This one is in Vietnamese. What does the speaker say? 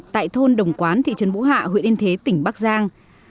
tại thôn đồng quán thị trấn bũ hạ huyện yên thế tỉnh bắc giang